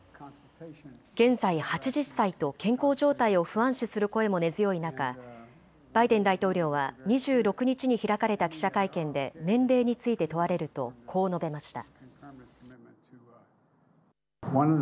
現在８０歳と健康状態を不安視する声も根強い中、バイデン大統領は２６日に開かれた記者会見で年齢について問われると、こう述べました。